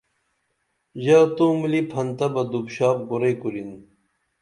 ژا تو ملی پھنتہ بہ دُپ شاپ کُرئی کُرِن